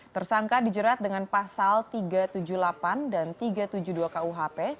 tersangka dijerat dengan pasal tiga ratus tujuh puluh delapan dan tiga ratus tujuh puluh dua kuhp